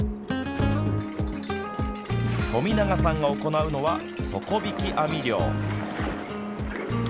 富永さんが行うのは底引き網漁。